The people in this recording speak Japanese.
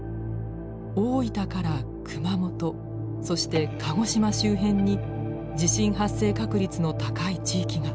大分から熊本そして鹿児島周辺に地震発生確率の高い地域が。